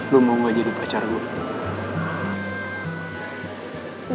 lo mau gak jadi pacar gue